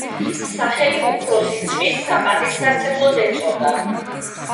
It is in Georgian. სახელი უფროსი ძმის საპატივსაცემლოდ ეწოდა.